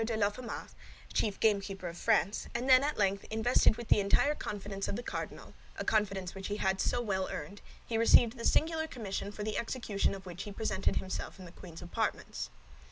de Laffemas, chief gamekeeper of France; then, at length, invested with the entire confidence of the cardinal—a confidence which he had so well earned—he received the singular commission for the execution of which he presented himself in the queen's apartments.